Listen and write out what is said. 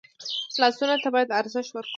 لاسونه ته باید ارزښت ورکړو